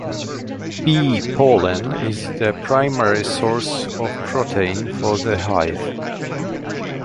Bee pollen is the primary source of protein for the hive.